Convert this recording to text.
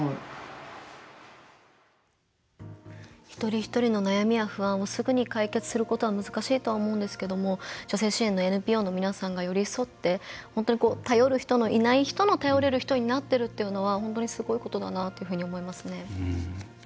一人一人の悩みや不安をすぐに解決するのは難しいと思うんですけど女性支援のＮＰＯの皆さんが寄り添って、本当に頼る人のいない人の頼れる人になっているというのは本当にすごいことだなと思います。